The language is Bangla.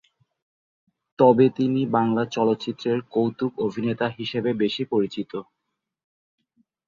তবে তিনি বাংলা চলচ্চিত্রের কৌতুক-অভিনেতা হিসাবে বেশি পরিচিত।